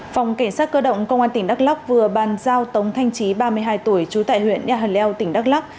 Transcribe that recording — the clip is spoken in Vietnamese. phòng cảnh sát cơ động công an tỉnh đắk lắk vừa bàn giao tống thanh chí ba mươi hai tuổi trú tại huyện nhà hần leo tỉnh đắk lắk